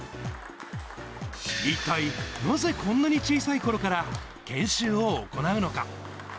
一体なぜこんなに小さいころから研修を行うのか。